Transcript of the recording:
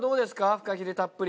フカヒレたっぷり。